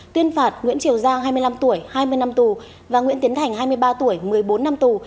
tuyên phạt nguyễn triều giang hai mươi năm tuổi hai mươi năm tù và nguyễn tiến thành hai mươi ba tuổi một mươi bốn năm tù